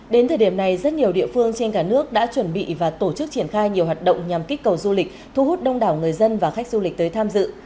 đến thời điểm này rất nhiều địa phương trên cả nước đã chuẩn bị và tổ chức triển khai nhiều hoạt động nhằm kích cầu du lịch thu hút đông đảo người dân và khách du lịch tới tham dự